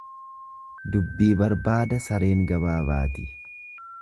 Dubbii barbaada sareen gabaa baati.